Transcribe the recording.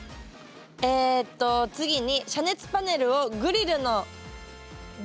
えっと「次に遮熱パネルをグリルの両端に掛けます」。